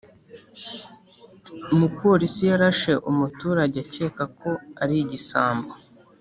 Umupolisi yarashe umuturage akeka ko ari igisambo